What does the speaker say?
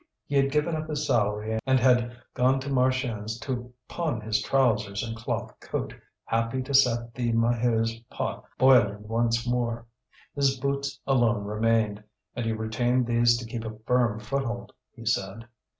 He had given up his salary and had gone to Marchiennes to pawn his trousers and cloth coat, happy to set the Maheus' pot boiling once more. His boots alone remained, and he retained these to keep a firm foothold, he said.